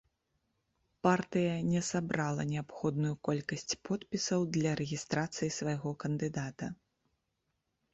Партыя не сабрала неабходную колькасць подпісаў для рэгістрацыі свайго кандыдата.